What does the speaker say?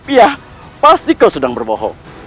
iya pasti kau sedang berbohong